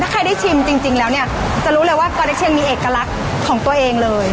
ถ้าใครได้ชิมจริงแล้วเนี่ยจะรู้เลยว่ากอเล็กเชียงมีเอกลักษณ์ของตัวเองเลย